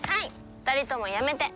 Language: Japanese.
２人ともやめて。